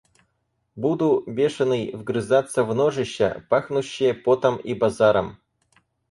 Буду, бешеный, вгрызаться в ножища, пахнущие потом и базаром.